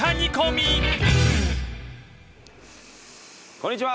こんにちは！